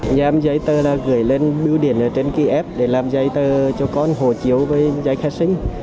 nhà em giấy tờ đã gửi lên biểu điện trên ký ép để làm giấy tờ cho con hồ chiếu với giấy khách sinh